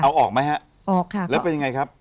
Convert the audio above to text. เอาออกไหมฮะออกค่ะแล้วเป็นยังไงครับ